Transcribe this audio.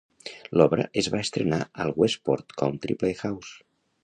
L'obra es va estrenar al Westport Country Playhouse.